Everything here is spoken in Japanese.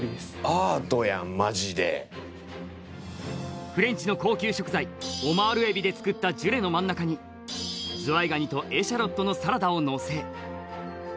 アートやんマジでフレンチの高級食材オマールエビで作ったジュレの真ん中にズワイガニとエシャロットのサラダを載せ